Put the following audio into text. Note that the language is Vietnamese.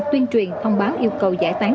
tuyên truyền thông báo yêu cầu giải tán